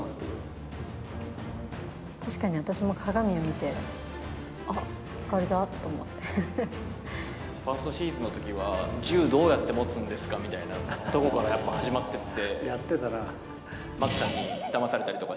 確かに私も鏡見て、あっ、ファーストシーズンのときは、銃どうやって持つんですかみたいなところから始まっていて。